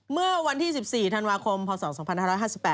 เมื่อวันที่๑๔ธันวาคมพศ๒๕๕๘